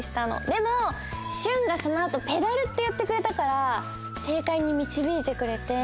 でもシュンがそのあと「ペダル」っていってくれたからせいかいにみちびいてくれて。